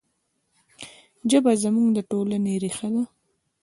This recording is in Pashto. ژبه زموږ د ټولنې ریښه ده.